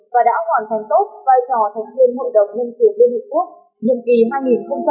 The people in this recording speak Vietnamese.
và đã hoàn thành tốt vai trò thành viên hội đồng nhân quyền liên hợp quốc